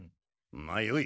まあよい。